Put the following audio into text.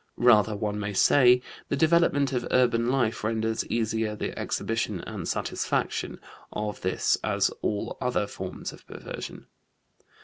Rather, one may say, the development of urban life renders easier the exhibition and satisfaction of this as of all other forms of perversion.